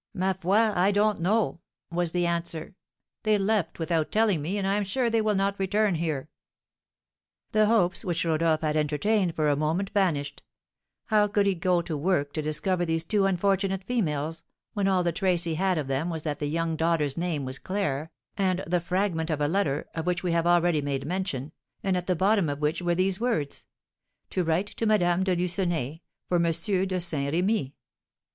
'Ma foi, I don't know!' was the answer; 'they left without telling me, and I am sure they will not return here.'" The hopes which Rodolph had entertained for a moment vanished; how could he go to work to discover these two unfortunate females, when all the trace he had of them was that the young daughter's name was Claire, and the fragment of a letter, of which we have already made mention, and at the bottom of which were these words: "To write to Madame de Lucenay, for M. de Saint Remy?"